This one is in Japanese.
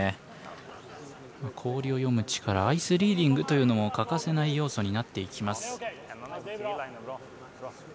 氷を読む力アイスリーディングというのも欠かせない要素になっていきます。